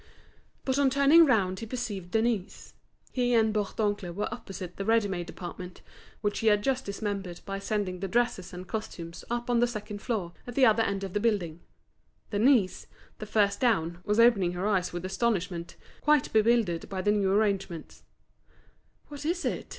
But on turning round he perceived Denise. He and Bourdoncle were opposite the ready made department, which he had just dismembered by sending the dresses and costumes up on the second floor at the other end of the building. Denise, the first down, was opening her eyes with astonishment, quite bewildered by the new arrangements. "What is it?"